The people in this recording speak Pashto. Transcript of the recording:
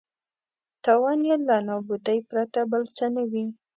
تاوان یې له نابودۍ پرته بل څه نه وي.